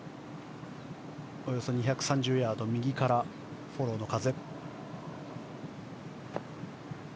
およそ２３０ヤード右からフォローの風。